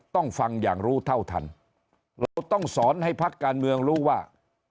ต้องฟังอย่างรู้เท่าทันเราต้องสอนให้พักการเมืองรู้ว่า